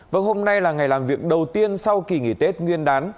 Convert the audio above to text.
vâng hôm nay là ngày làm việc đầu tiên sau kỳ nghỉ tết nguyên đán